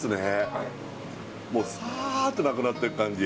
はいもうサーッとなくなってく感じ